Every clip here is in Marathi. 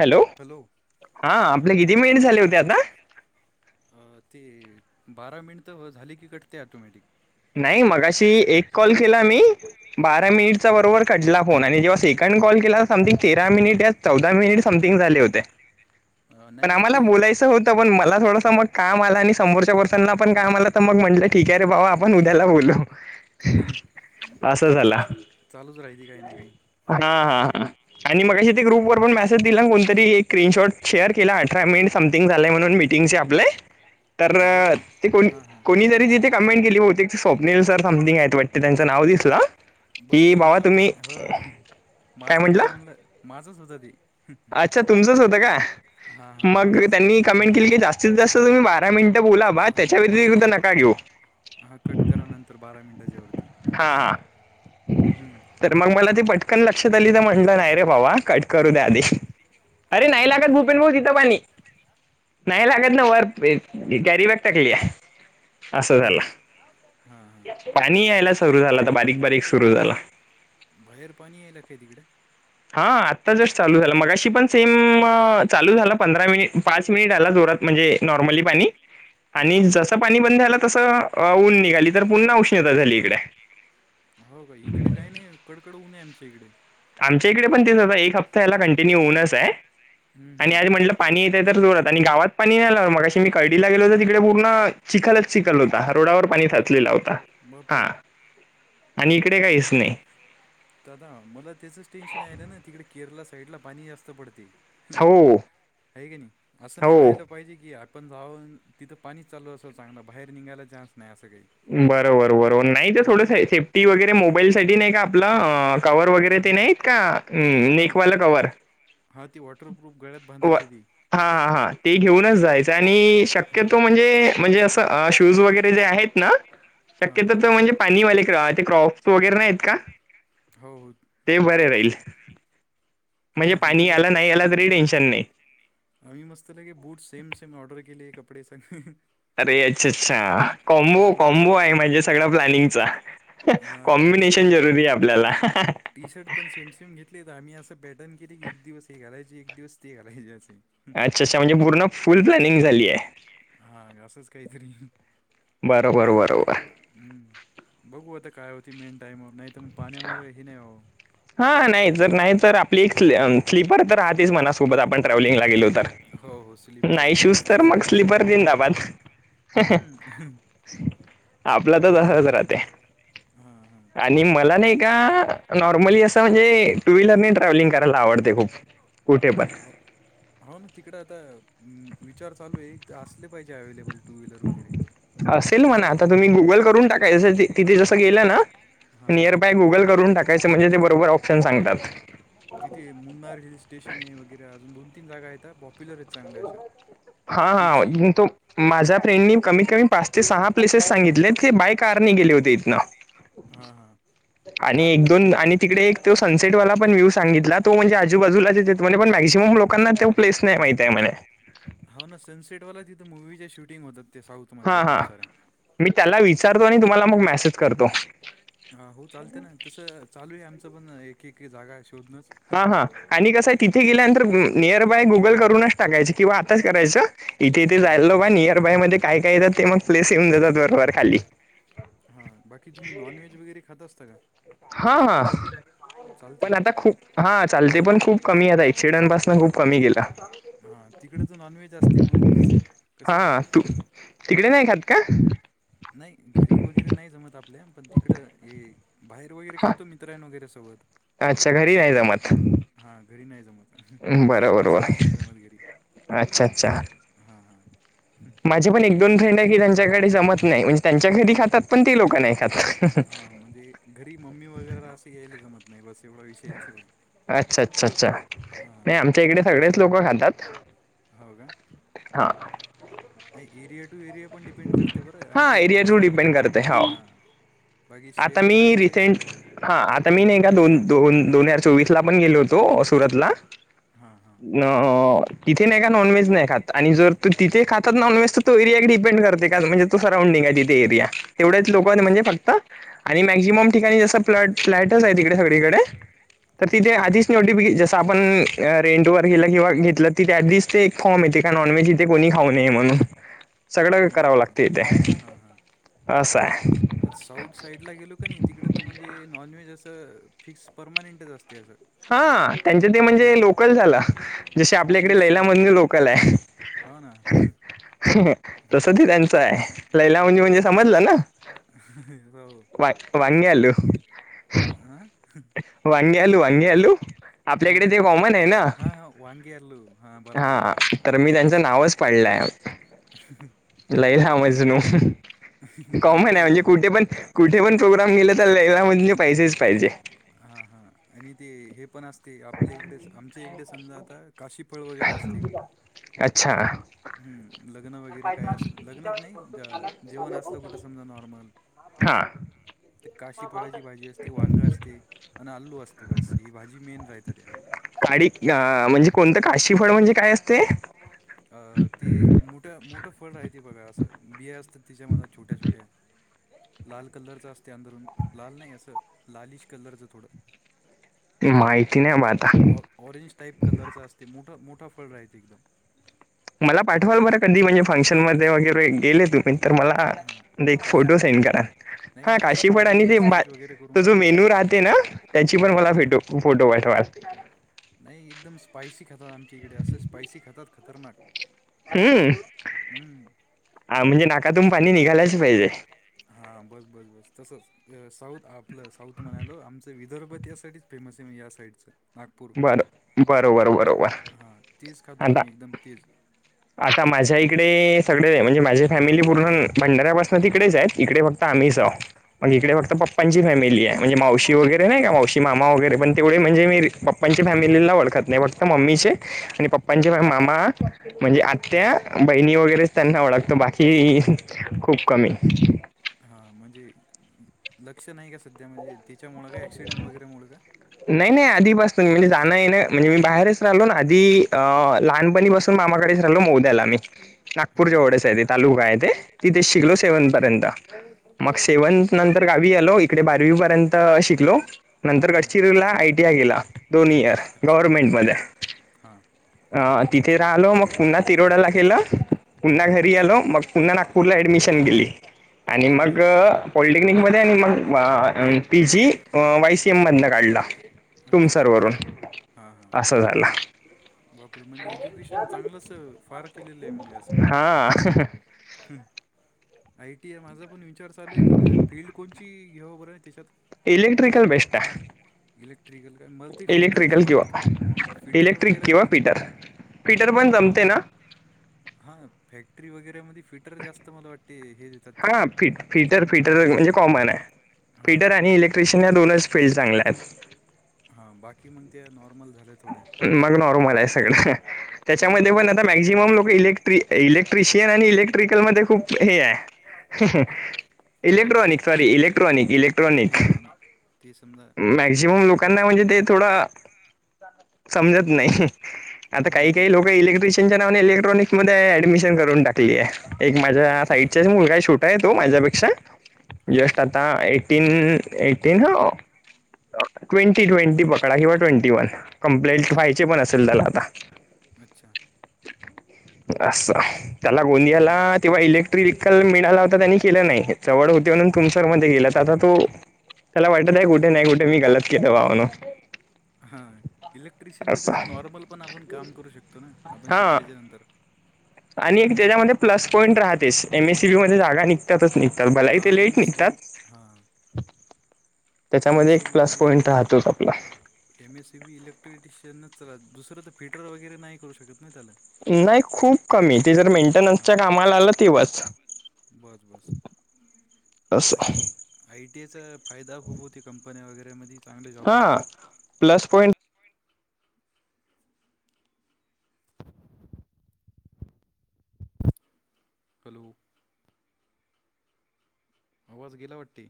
हॅलो हा आपल्या किती मेन झाले होते आता? ते बारा मिनिट झाली की कटते ऑटोमॅटिक. नाही मगाशी एक कॉल केला मी बारा हां मिनिटचा बरोबर कडला फोन आणि जेव्हा सेकंड कॉल केला तर समथिंग तेरा मिनिट या चौदा मिनिट समथिंग झाले होते. ठिक्काय! ण आम्हाला बोयचं होतं पण मला थोडंसट काम आला आणि समोरच्या पर्सनना पण काम आलं तर मग म्हटलं ठीक आहे रे बाबा आपण उद्याला बोलू. अस झालं. चालूच राहिती काही ना काही. हा हा हा आणि मगा ते ग्रुप वर पण मेसेज दिला कोणतरी एक स्क्रीन शॉट शेअर केला अठरा मिनिट समथिंग झालंय म्हणून मी तीनशे आपले? आपले. तर ते को कोणी जरी म तिथे कमेंट केली होती. स्वप्नील सर समथिंग आहेत वाटते त्यांचं नाव दिसला. बस ते माझच ह काय माझाच म्हटलं होता म्हणलं माझंच होत ते. अच्छा तुमचंच होतं का? हां हां मग माझाच त्यांनी कमेंट केली की जास्तीत जास्त तुम्ही बारा मिनिटं बोला बा त्याच्या व्यतिरिक्त नका घेऊ. हा कट करानंतर बारा मिनटाच्या वरती. हा हा हम्म तर मग मला त पटकन लक्षात आली तर म्हटलं नाही रे भावा कट करू दे आधी अरे हां नाही लागत भूपेन भाऊ तिथ पाणी नाही लागत ना वर कॅरी बॅग टाकली आहे. असं हम्म झालं हां हां पाणी यायला सुरू झालं आता बारीक बारीक सुरू झाला. बाहेर पाणी यायला काय तिकड हा आत्ता जस्ट चालू झालं मगाशी पण सेम चालू झाला पंधरा मिनिट पाच मिनिट आला जोरात. म्हणजे नॉर्मली पाणी. आणि अच्छा जसं पाणी बंद झालं तसं ऊन निघाली तर पुन्हा उष्णता झाली इकडे. हो का इकडे काही नाही कडकड होऊ नये आमच्या इकडे आमच्या इकडे पण तेच एक हप्ता या्याला कंटिन्यू होऊनच आहे हम्म आणि हम्म आज म्हटलं पाणी येतय तर जोरात आणि गावात पाणी नाही मग अशी मी कळडीला गेलो होत तिकडे पूर्ण चिखलच चिखल होता रोडावर पाणी हो काय साचलेला होता बापरे हा. आणि इकडे काहीच नाही. दादा मला त्याचच टेन्शन आहे ना ना तिकडे केरळ साईड ला पाणी जास्त पडते. हो हाय कने असं नाही हो वाटत पाहिजे की आपण जाऊन तिथं पाणीच चालू असं चांगलं बाहेर निघायला चान्स नाही असं बरोबर बरोबर नाही तर की थोडंच नाही आहे सेफ्टी वगैरे मोबाईल साठी नाही आपलं कवर वगैरे ते नाहीत का हा ना नेकवालं कवर हा ती वॉटरप्रूफ गळ्यात व बांद्यायचंय ते हां हां ते घेऊनच जायचं आणि हां शक्यतो म्हणजे म्हणजे असं शूज वगैरे जे आहेत ना हां शक्यतो हां तो म्हणजे हो हो [unintelligible] म्हणजे आम्ही पाणी याला मस्त नाही याला हां तरीही टेन्शन नाही. आम्ही मस्त पैकी बूट सेम सेम ऑर्डर केले आहे कपडे सगळे अरे अच्छा अच्छा कॉम्बो लागेल कॉम्बो आहे म्हणजे सगळा प्लॅनिंगचा. हा काहीतरी कॉम्बिनेशन करावं लागेल जरुरी आहे आपल्याला टी शर्ट पण सेम सिम घेतले तर आम्ही असं पॅटर्न केले की एक दिवस हे घालायचे एक दिवस ते घालायचे असे हं, अच्छा अच्छा म्हणजे पूर्ण फुल प्लनिंग झाली आहे. हा असच कायतरी. बरोबर बरोबर हम्म बघू आता काय होती मेन टाइमवर नाही तर मग पाण्यामुळे हे नाही होत हा नाही तर नाही तर आपली स्लीपर तर राहतेच मनासोबत आपण ट्रॅव्हलिंगला गेलो होत हो हो स्लीपर नाही शूज तर असतेच मग समजा स्लीपर जिंदाबाद हम्म. आपलं तरच असंच राहतय. हा हा आणि मला नाही का नॉर्मली अस असं म्हणजे टू व्हीलर ट्रॅव्हलिंग करायला आवडते खूप कुठे पण हो ना तिकडे आता विचार चालू आहे एकदा असले पाहिजे अवे्लेबल. असेल म्हणा आता तुम्ही गुगल करून टाका आता तिथे जसं गेलाय ना हां हां नियर बाय गुगल करून टाकायचं म्हणजे ते बरोबर ऑप्शन सांगतात. तिथे मुन्नार हिल स्टेशन हाय वगैरे अजुन दोन तीन जागा येतात. पिलरच चांगल्या अशा हा कुची हा तो माझ्या फ्रेंडनी कमीत कमी पाच ते सहा प्लेसेस सांगितले ते बाय कारने गेले होते इथन हा आणि एक दोन आणि तिकडे एक तो सनसेटवाला पण व्हूव सांगितला तो म्हणजे आजूबाजूला चेत म्हणे पण मॅक्सिम लोकांना तो पलेस नाही माहिती आहे म्हणे. हो ना सनसेटवाला तिथ मुव्हिच्या शूटिंग होतात ते साऊथ हा मधल्या हा खूप साऱ्या मी त्याला विचारतो आणि तुम्हाला मग मेसेज करतो. हा हो चालतय ना तसं चालू आहे आमचं पण एक एक जागा आहे शोधन. हा हा आणि कसं आहे तिथे गेल्यानंतर नियर बाय गुगल करूनच टाकायचं किंवा आताच करायचं इथे इथे हां जायलो का नियर बाय मध्ये काय काय येतात ते मग प्लेस येऊन देतात बरोबर खाली. हा बाकी तुम्ही नॉन व्हेज वगैरे खाता असता का. हा हा, चालते पण का आता खूप हा चालते पण खूप कमी आता एक्सिडंट पासन खूप कमी गेला. हा तिकडच नॉनव्हेज असते म्हणून कसं. हा तू तिकडे नाही खात का. नाही घरी वगैरे नाही समत आप. आपल्या पण तिकडं हे बाहेर वगैरे हा खातो मित्रांन वगैरे सोबत. अच्छा घरी नाही जमत हा घरी नाही जमत. बरं पहिली बरोबर पासूनच नाही जमतगिरी अच्छा अच्छा हा हा माझे पण एक दोन फ्रेंड आहे की त्यांचे जमत नाही म्हणजे त्यांच्या घरी खातात पण ते लोक नाही खातात हा म्हणजे घरी मम्मी वगैरे असं यायला जमत नाही बस एवढा विषयच अच्छा अच्छा अच्छा नाही आमच्या इकडे सगळेच लोक खातात हो का हा नाही एरिया टू एरिया पण डिपेंड करते बरं हा आमच्या इकडे एरिया टू कसं आहे डिपेंड करते हो हा आता मी रिसेंट हा आता मी नाही हम्म, का दोन दोन दोन हजार चोवीस ला पण गेलो होतो सुरत ला हा हा अ तिथे नाही का नॉनव्हेज नाही खात आणि जर तू तिथे खातात नॉनव्हेज तर तोरीगडी ेंड करते का म्हणजे त सराउंिंग आहे ति ते एरिया तेवढ्याच लोक हां असं म्हणजे फक्त आणि मॅक्झिमम ठिकाणी जसं प्लट फ्लॅटच आहे तिकडे सगळीकडे तर हो तिथे आधीच नवट जस आपण रेंडोवर किंवा घेतलं त्यात ते फॉमेतेण नन्हेज इथे कोणी खाऊ नये म्हणून सगळं करावं बापरे लागते इथे हां हां असं आहे साऊथ साईड ला गेलो का नाही तिकड तर म्हणजे नॉनव्हेज असं फिक्स परमानंटच असत ते असं हा त्यांचे ते म्हणजे हम्म लोकल झालं जसे आपल्या इकडे लैलामंद लोकल आहे होा ना तस त त्यांचं आहे लैला म्हजे हा म्हणजे समजलं ना हो व वन्यालु आं वांगी आलू वांगी आलू आपल्याकडे ते कॉमन आहे ना वाांग्या अल्लू हा तर मी त्यांचं नावच पाडलंय ह लई लामज नू वांगी कॉमन आहे आलं म्हणजे हो कुठे पण कुठे पण प्रोग्राम गले तरला म्हणजे पैसेच पाहिजे हा हा आणि ते हे पण असत आपल्या इकडे आमच्या इकडे समजा आता काशीफळ वगैरे असते अच्छा हम्म लग्न वगैरे काय अस लग्नात नाही जेवण असलं कुठं समजा नॉर्मल हा तर काशी पळची भाजी असते वांगा असते आणि आलू असते बस ही भाजी मेन राहत त्या काडी अ म्हणजे कोणतं काशी फळ म्हणजे काय असते अ ते मोठ्या मोठं फळ आहेह ते बघा असं बिया असत तिच्यामध्येध छोट्या छोट्या लाल कलरचं असते अधरून लाल नाही असं लालिश कलरचं थोडं माहिती नाही बा आता ऑरेंज टाइप कलरचा असतेठ मोठा फळ राहते एकदम मला पाठवाल बरं कधी म्हणजे फंक्शन मध्ये वगैरे गेले तुम्ही तर मला हां एक फोटो काशीफळ सेंड का करा नाही हा मी असंच काशीफड आणि गुगलने ते सर्च वगैरे करून तो जो पाठवतो मी मेन्यू राहते ना त्याची पण हां मला हां फेटो फोटो पाठवाते नाही एकदम स्पायसी खातात आमच्या इकडे असे स्पायसी खातात खतरनाक हम्म हम्म. म्हणजे नाकातून पाणी निघालायच पाहिजे हा बस बस बस तस साऊथ आपलं साऊथ म्हणाल आम दरबत या सासाठीच फेमस आहे या साईडचं नागपूर बरं बरोबर बरोबर हा तेीच खातो आता आम्ही एकदम तेीच आता माझ्या इकडे सगळे म्हणजे माझी फॅमिली पूर्ण भंडाऱ्यापा तिकडेच इकडे फक्त आमहीग इडे् हां हां फॅमिली आहे म्हजे मावशी वगैरे नाही का मावशी मामा वगैरे पण तेवढे म्हणजे मी प पप्पची फॅमिलीला ओळखत नाही फक्त मम्मीचे आणि पप्पांचे मामा म्हणजे हां आत्या बहिणी वगैरेच त्यांना ओळखतो बाकी खूप कमी. हा म्हणजे लक्ष नाही का सध्या म्हणजे तिच्यामूळ का ऍक्सिडेंट वगैरे मूळ का? नाही नाही आधीपासून मज हां जाण येणं म्हणजे मी बाहेरच राहिलो ना आधी अ लहानपणी बसून मामाकडेच राहिलो मोद्याला मी. हां नागपूरच्या हां वळेस आहे ते तालुका आहे ते तिथे शिकलो अच्छा सेव्हन पर्यंत. मग हां हां सेव्हनथ नंतर गावी आलो इकडे बारावी पर्यंत शिकलो नंतर हम्म, हम्म. पूरला आयटीआय केला दोन इयर अच्छा गव्हर्नमेंट मध्ये. हां अ तिथे राहिलो मग पुन्हा तिरोडाला केलं. पुन्हा घरी आलो मग पुन्हा नागपूरला ऍडमिशन गेली आणि मग पॉलिटेक्निक मध्ये आणि मग पी जी वायसीएम मधन काढला. अच्छा तुमसर हां वरून हां हां असं झालं. बापरे म्हणजे एज्युकेशन चांगलंच फार केलेलं आहे म्हणजे असं. हा. आयटीआय माझा पण वि चार चालू फील्ड कोणची घेऊ बर त्याच्यात? इलेक्ट्रिकल बेस्टआय. इलेक्ट्रिकल काय मला ते फिटरची इलेक्ट्रिकल पण एक किंवा फिटर इलेक्ट्रिक वगैरे बी किंवा ची- पीटर पीटर पण जमते ना? हा फॅक्टरी वगैरे मध्ये फिटर जास्त मला वाटते हे दे हा फि फिटर फिटर म्हणजे कॉमन आहे हां फिटर आणि इलेक्ट्रिशियन या दोनच फील्ड चांगल्या आहेत हा बाकी मण त्या नॉर्मल झाल्या. थोड्या मग नॉर्मल आहे सगळं मला त्याच्यामध्ये वाटते पण आता हां मॅक्झिमम लोक इले इलेक्ट्रिशियन आणि इलेक्ट्रिकल मध्ये खूप हे आहे. हो इलेक्ट्रॉनिक सॉरी इलेक्ट्रॉनिक इलेक्ट्रॉनिक हो ना हो ना ते समजा मॅक्झिमम लोकांना म्हणजे ते थोडा समजत नाही. आता काही हां काही लोक इलेक्ट्रिशियन च्या नावाने इलेक्ट्रॉनिक्स मध्ये ऍडमिशन करून टाकली आहे. एक माझ्या साईडच्याच हां मुलगा शूट आहे तो माझ्यापेक्षा जस्ट हां आता एटीन एटीन हो ट्वेंटी ट्वेंटी पकडा किंवा ट्वेंटी वन कंप्लेंट हां, हां. व्हायचे पण असेल त्याला आता. अच्छा. अस त्याला गोयाला हं. तेव्हा इलेक्ट्रिकल मिळाला होता त्यांनी केलं नाही जवळ होते म्हणून तुमसर मध्ये गेला तर आता तो त्याला वाटत आहे कुठे नाही कुठे मी गलत केलं वावन हा इलेक्ट्रिशियनच कस नॉर्मल पण आपण काम करू शकतो. तो ना आपण हा शिकल्याच्या नंतर आणि एक त्याच्यामध्ये प्लस पॉईंट राहतेच एम एस सी बी मध्ये जागा निघतातच निघतात भलाही हा ते लेट एम्स निघतात हां. एम एस त्याच्यामध्ये सी एक बी प्लस मध्ये तर पॉईंट राहतोच आपला एम एसी बी इलेक्ट्रिटिशियनच चला दुसरं तर फिटर वगैरे नाही करू शकत नाही त्याला? नाही खूप कमी ते जर मेंटेनन्सच्या कामाला आलं तेव्हाच. बर बर असं बाकी आयटीएचा फायदा खूप होती कंपन्या वगैरेमध्ये चांगले जॉब हा निघतात. प्लस पॉइंट हॅलो आवाज गेला वाटते.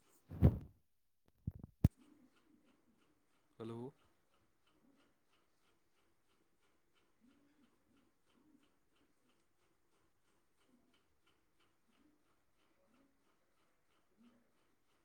[inaudible] कलो!